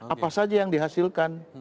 apa saja yang dihasilkan